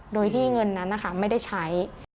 โดยที่เงินนั้นนะคะไม่ได้ใช้